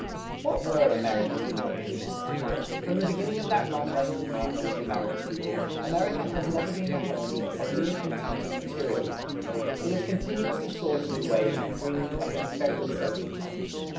What were America's "morning wishes"? From the beginning of that long westward march of the American people America has never been the home of mere contented materialism. It has continuously sought new ways and dreamed of a perfected social type.